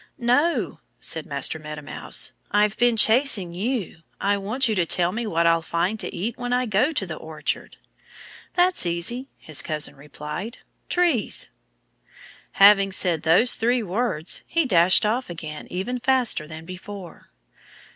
"No!" said Master Meadow Mouse. "I've been chasing you. I want you to tell me what I'll find to eat when I go to the orchard." "That's easy," his cousin replied. "Trees!" Having said those three words he dashed off again even faster than before.